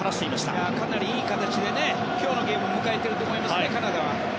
カナダはかなりいい形で今日のゲームを迎えていると思いますよ。